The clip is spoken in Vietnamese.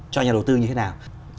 cho nhà đầu tư như thế nào